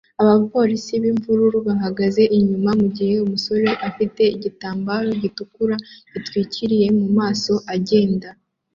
Abapolisi b'imvururu bahagaze inyuma mu gihe umusore ufite igitambaro gitukura gitwikiriye mu maso agenda